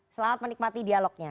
selamat menikmati dialognya